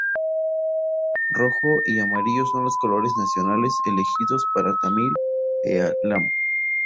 Rojo y amarillo son los colores nacionales elegidos para Tamil Eelam.